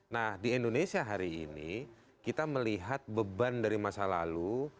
nah di indonesia hari ini kita melihat beban dari masa lalu